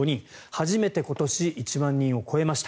初めて今年１万人を超えました。